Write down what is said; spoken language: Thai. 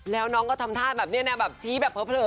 แล้วน้องก็ทำต้าดแบบนี้แน็คแบบชี้แบบเผลอเผลอ